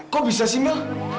kok bisa sih mil